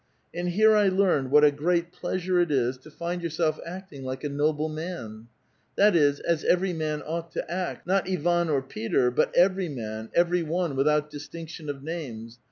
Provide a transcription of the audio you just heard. And here I learned what a great pleasure it is to feel yourself acting like a noble man ; that is, as every man ought to act, not Ivan or Peter, but every man, every one, without distinction of names.